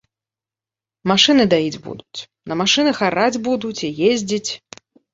Машыны даіць будуць, на машынах араць будуць і ездзіць.